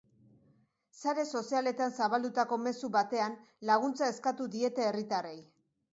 Sare sozialetan zabaldutako mezu batean, laguntza eskatu diete herritarrei.